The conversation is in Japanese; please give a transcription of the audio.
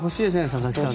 佐々木さん。